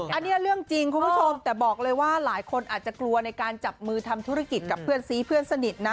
อันนี้เรื่องจริงคุณผู้ชมแต่บอกเลยว่าหลายคนอาจจะกลัวในการจับมือทำธุรกิจกับเพื่อนซีเพื่อนสนิทนะ